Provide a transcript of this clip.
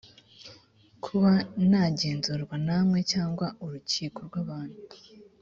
kuba nagenzurwa namwe cyangwa urukiko rw abantu